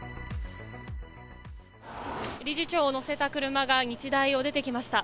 理事長を乗せた車が日大を出てきました。